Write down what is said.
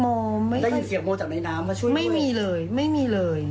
ก็ยินเสียงโมส์จากในน้ำแล้วมาช่วยด้วย